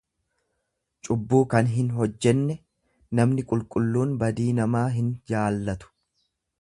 cubbuu kan hinhojjenne; Namni qulqulluun badii namaa hinjaallatu.